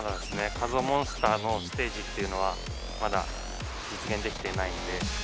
カズホモンスターのステージっていうのは、まだ実現できていないので。